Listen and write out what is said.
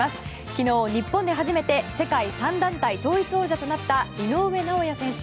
昨日、日本で初めて世界３団体統一王者となった井上尚弥選手。